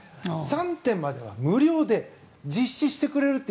３点までは無料で実施してくれると。